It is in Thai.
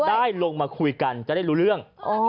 ได้ลงมาคุยกันจะได้รู้เรื่อง